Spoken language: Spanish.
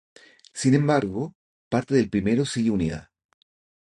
Sin embargo, parte del primero sigue unida.